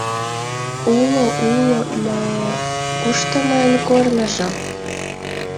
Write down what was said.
Уло... уло... но... кушто мыйын корныжо?